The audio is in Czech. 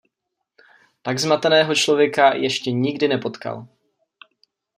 Tak zmateného člověka ještě nikdy nepotkal.